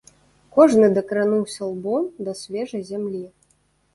Кожны дакрануўся лбом да свежай зямлі.